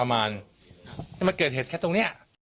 มันเกิดเหตุแค่ตรงนี้